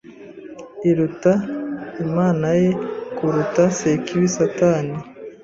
iruta Imana ye kuruta Sekibi satani